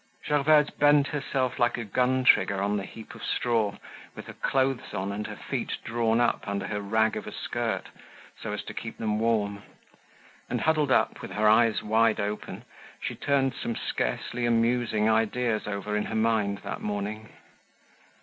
Gervaise bent herself like a gun trigger on the heap of straw, with her clothes on and her feet drawn up under her rag of a skirt, so as to keep them warm. And huddled up, with her eyes wide open, she turned some scarcely amusing ideas over in her mind that morning.